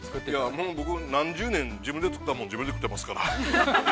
◆僕、何十年、自分で作ったものを自分で食ってますから。